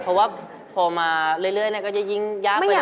เพราะว่าพอมาเรื่อยก็จะยิ่งยากไป